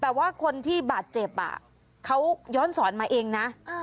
แต่ว่าคนที่บาดเจ็บเขาย้อนสอนมาเองนะ